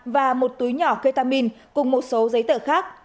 và một túi nhỏ ketamin cùng một số giấy tờ khác